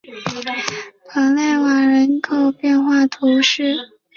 蓬勒瓦人口变化图示